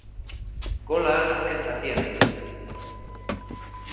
Gola azken zatian heldu zen.